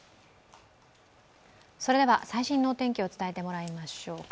最新のお天気を伝えてもらいましょう。